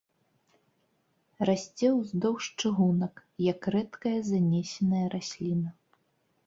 Расце ўздоўж чыгунак як рэдкая занесеная расліна.